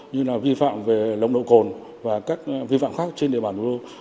như là vi phạm về lồng lộ cồn và các vi phạm khác trên địa bàn